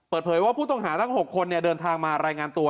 เปิดเผยว่าผู้ต้องหาทั้ง๖คนเดินทางมารายงานตัว